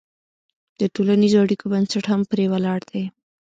د ټولنیزو اړیکو بنسټ هم پرې ولاړ دی.